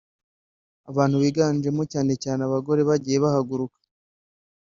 abantu biganjemo cyane cyane abagore bagiye bahaguruka